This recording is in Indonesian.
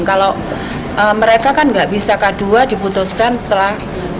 kalau mereka kan nggak bisa k dua diputuskan setelah dua ribu lima